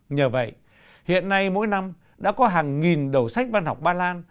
nhờ vậy hiện nay mỗi năm đã có hàng nghìn đầu sách văn học ba lan